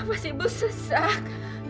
mas ibu sesak